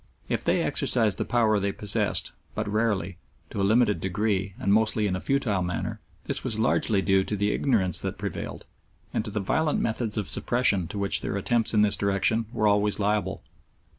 If they exercised the power they possessed but rarely, to a limited degree, and mostly in a futile manner, this was largely due to the ignorance that prevailed, and to the violent methods of suppression to which their attempts in this direction were always liable.